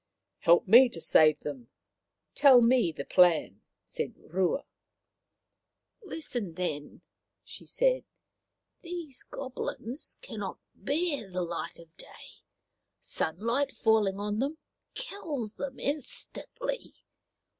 " Help me to save them. Tell me the plan," said Rua. " Listen, then," she said. These Goblins can not bear the light of day. Sunlight falling on them kills them instantly.